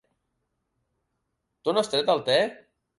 D'on has tret el te?